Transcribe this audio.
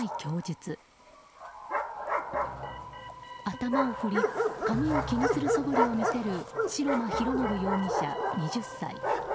頭を振り髪を気にするそぶりを見せる白間広宣容疑者、２０歳。